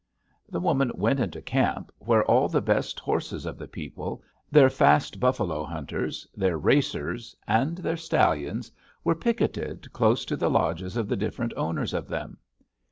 "The woman went into the camp, where all the best horses of the people their fast buffalo runners, their racers, and their stallions were picketed close to the lodges of the different owners of them.